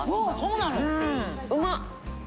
うまっ。